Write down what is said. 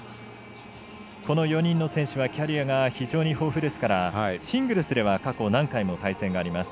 この４人の選手はキャリアが非常に豊富ですからシングルスでは過去、何回も対戦があります。